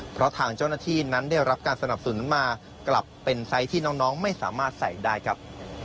เพราะทางเจ้าหน้าที่นั้นได้รับการสนับสนุนมากลับเป็นไซส์ที่น้องไม่สามารถใส่ได้ครับ